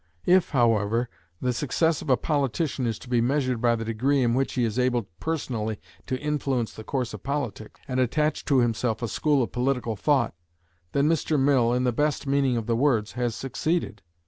If, however, the success of a politician is to be measured by the degree in which he is able personally to influence the course of politics, and attach to himself a school of political thought, then Mr. Mill, in the best meaning of the words, has succeeded.